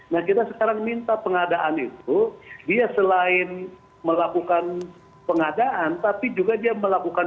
nah kita sekarang minta pengadaan itu dia selain melakukan pengadaan tapi juga dia melakukan